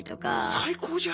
最高じゃん！